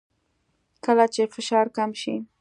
کله چې فشار کم شي